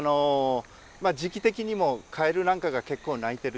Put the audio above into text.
時期的にもカエルなんかが結構鳴いてる時期ですし。